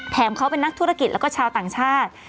เขาเป็นนักธุรกิจแล้วก็ชาวต่างชาติ